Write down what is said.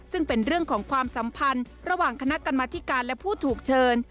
ซึ่งเป็นเรื่องของความสัมพันธ์ระหว่างคณะกรรมธิการและผู้ถูกเชิญ